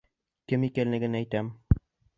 Кем икәнлеген әйтәм.